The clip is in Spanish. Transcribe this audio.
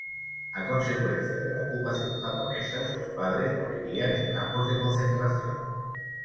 A consecuencia de la ocupación japonesa, sus padres morirían en campos de concentración.